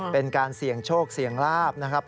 เป็นการเสี่ยงโชคเสี่ยงลาบนะครับ